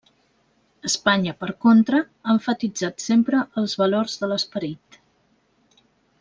Espanya, per contra, ha emfatitzat sempre els valors de l'esperit.